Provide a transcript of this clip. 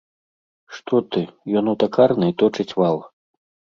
Што ты, ён у такарнай точыць вал.